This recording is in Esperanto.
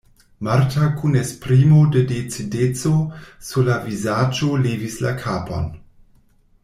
Marta kun esprimo de decideco sur la vizaĝo levis la kapon.